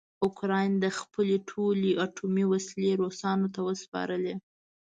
اوکراین خپلې ټولې اټومي وسلې روسانو ته وسپارلې.